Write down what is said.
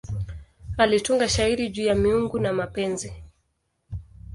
Alitunga shairi juu ya miungu na mapenzi.